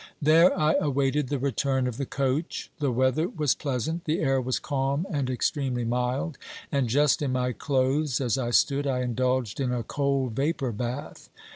There I awaited the return of the coach. The weather was pleasant, the air was calm and extremely mild, and, just in my clothes as I stood, I indulged in a cold vapour bath.